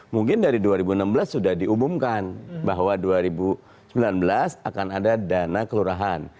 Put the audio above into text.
mungkin dari dua ribu enam belas sudah diumumkan bahwa dua ribu sembilan belas akan ada dana kelurahan